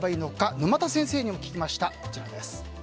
沼田先生にも聞きました。